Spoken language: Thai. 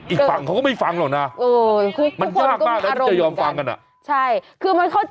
อีกฝั่งเขาก็ไม่ฟังหรอกนะมันยากมากแล้วที่จะยอมฟังกันอ่ะคุณคุณอารมณ์เหมือนกัน